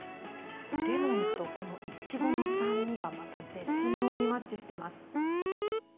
レモンと、このいちごの酸味がまた絶妙にマッチしています。